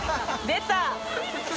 出た！